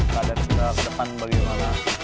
keadaan kita ke depan bagaimana